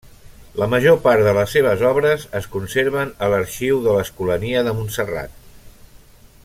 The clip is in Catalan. La major part de les seves obres es conserven a l'arxiu de l'Escolania de Montserrat.